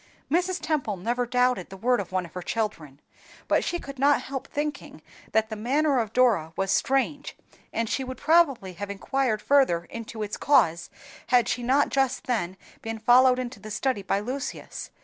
Mrs. Temple never doubted the word of one of her children, but she could not help thinking that the manner of Dora was strange, and she would probably have inquired further into its cause, had she not just then been followed into the study by Lucius.